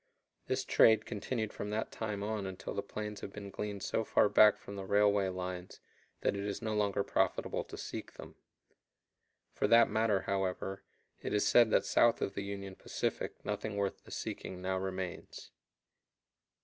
This trade continued from that time on until the plains have been gleaned so far back from the railway lines that it is no longer profitable to seek them. For that matter, however, it is said that south of the Union Pacific nothing worth the seeking now remains.